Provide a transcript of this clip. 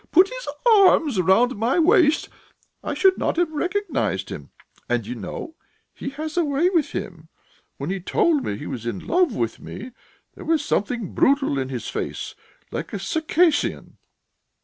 put his arms round my waist, I should not have recognised him. And you know he has a way with him! When he told me he was in love with me, there was something brutal in his face, like a Circassian."